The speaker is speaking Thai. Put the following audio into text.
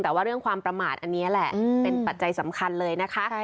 แต่ว่าเรื่องความประมาทอันนี้แหละเป็นปัจจัยสำคัญเลยนะคะ